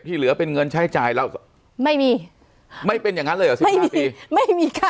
ที่เหลือเป็นเงินใช้จ่ายแล้วไม่มีไม่เป็นอย่างนั้นเลยหรอสิบห้าปี